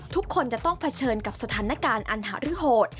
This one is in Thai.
ทุกคนจะต้องเผชิญกับสถานการณ์อันหารือโหด